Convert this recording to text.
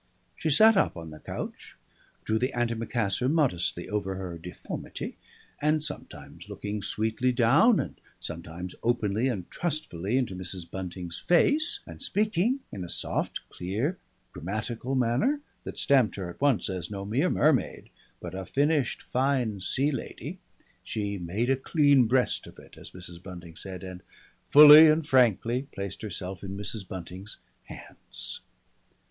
She sat up on the couch, drew the antimacassar modestly over her deformity, and sometimes looking sweetly down and sometimes openly and trustfully into Mrs. Bunting's face, and speaking in a soft clear grammatical manner that stamped her at once as no mere mermaid but a finished fine Sea Lady, she "made a clean breast of it," as Mrs. Bunting said, and "fully and frankly" placed herself in Mrs. Bunting's hands.